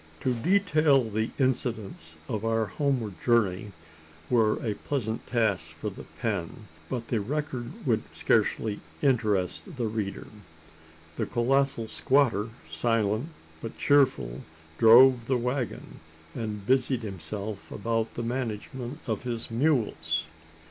To detail the incidents of our homeward journey, were a pleasant task for the pen; but the record would scarcely interest the reader. The colossal squatter, silent but cheerful, drove the waggon, and busied himself about the management of his mules.